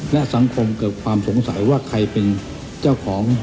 และสังคมเกิดความสงสัยว่าใครเป็นเจ้าของ